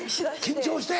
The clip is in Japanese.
緊張して。